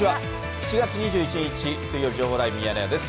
７月２１日水曜日、情報ライブミヤネ屋です。